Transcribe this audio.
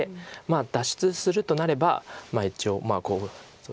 脱出するとなれば一応こう。